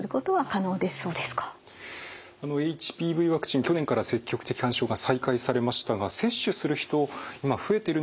ＨＰＶワクチン去年から積極的勧奨が再開されましたが接種する人今増えてるんでしょうか？